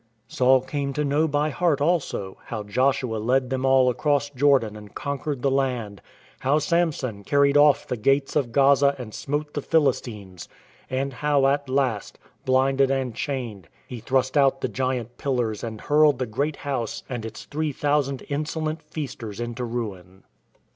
Saul came to know by heart, also, how Joshua led them all across Jordan and conquered the land, how Samson carried off the gates of Gaza and smote the Philistines, and how, at last, blinded and chained, he thrust out the giant pillars and hurled the great house and its three thousand insolent feasters into ruin.